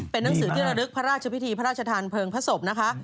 เป็นหนังสือที่ระลึกพระราชพิธีพระราชทานเพลิงพระศพนะคะ